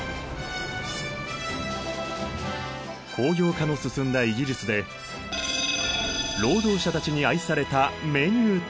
工業化の進んだイギリスで労働者たちに愛されたメニューとは？